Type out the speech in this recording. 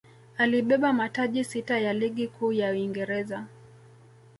alibeba mataji sita ya ligi kuu ya Uingereza